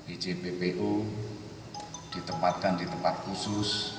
ijppu ditempatkan di tempat khusus